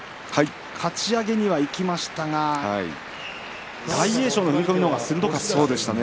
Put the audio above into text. かち上げにはいきましたが大栄翔の踏み込みの方が鋭かったですね。